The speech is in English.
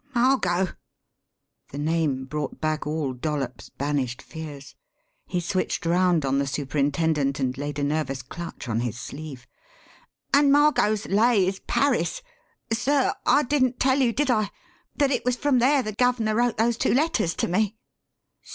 "Margot!" The name brought back all Dollops' banished fears. He switched round on the superintendent and laid a nervous clutch on his sleeve. "And Margot's 'lay' is Paris. Sir, I didn't tell you, did I, that it was from there the guv'ner wrote those two letters to me?"